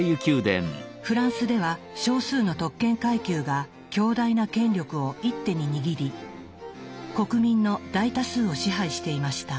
フランスでは少数の特権階級が強大な権力を一手に握り国民の大多数を支配していました。